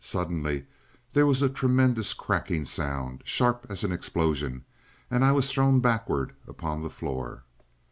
Suddenly there was a tremendous cracking sound, sharp as an explosion, and I was thrown backward upon the floor.